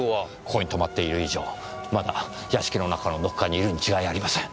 ここに止まっている以上まだ屋敷の中のどこかにいるに違いありません。